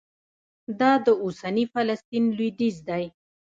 دا د اوسني فلسطین لوېدیځ دی.